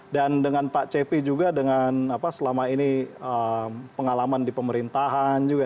dan dengan pak cepi juga dengan selama ini pengalaman di pemerintahan juga